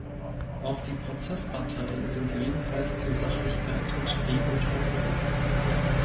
Auch die Prozessparteien sind jedenfalls zu Sachlichkeit und Demut aufgerufen.